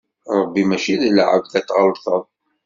Ṛebbi mačči d lɛebd ad t-tɣellṭeḍ.